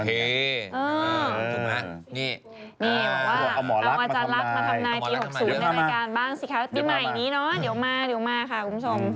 อังวัฒนลักษณ์มันทำนายปี๖๐ในบริการบ้างสิคะอุติมัยนี่เนอะเดี๋ยวมาค่ะคุณผู้ชม